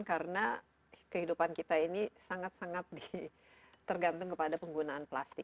karena kehidupan kita ini sangat sangat tergantung kepada penggunaan plastik